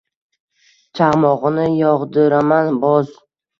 Chaqmogʼini yogʼdiraman boz!